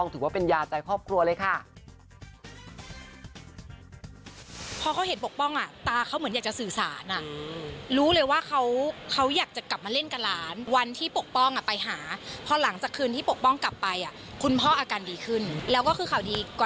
อืมแล้วค่ะ